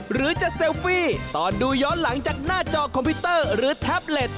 หรือจะเซลฟี่ตอนดูย้อนหลังจากหน้าจอคอมพิวเตอร์หรือแท็บเล็ต